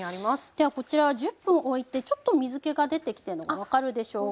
ではこちらは１０分おいてちょっと水けが出てきてるのが分かるでしょうか？